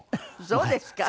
そうですか？